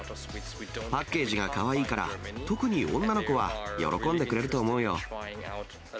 パッケージがかわいいから、特に女の子は喜んでくれると思うよ。